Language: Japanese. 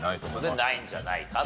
ないんじゃないかと。